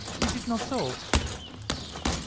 Is it not so?" "Yes."